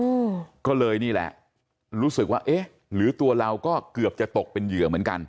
อืมก็เลยนี่แหละรู้สึกว่าเอ๊ะหรือตัวเราก็เกือบจะตกเป็นเหยื่อเหมือนกัน